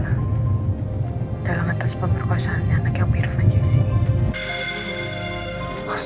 dalam atas pemberkuasaannya anak yang biru fanjasi